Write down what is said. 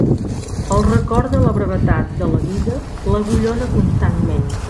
El record de la brevetat de la vida l'agullona constantment.